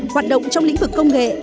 hoạt động trong lĩnh vực công nghệ